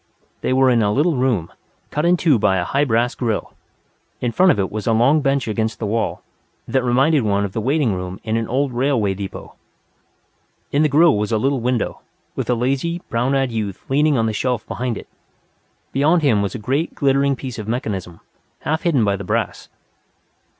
They were in a little room, cut in two by a high brass grill. In front of it was a long bench against the wall, that reminded one of the waiting room in an old railroad depot. In the grill was a little window, with a lazy, brown eyed youth leaning on the shelf behind it. Beyond him was a great, glittering piece of mechanism, half hidden by the brass.